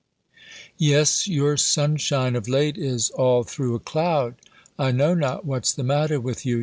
"Yes, your sunshine of late is all through a cloud! I know not what's the matter with you.